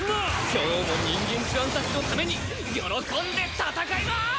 今日も人間ちゅわんたちのために喜んで戦いまーす！